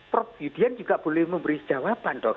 prof yudhian juga boleh memberi jawaban dong